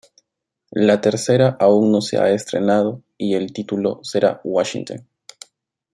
La tercera aún no se ha estrenado, y el título será "Washington".